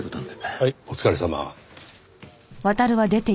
はいお疲れさま。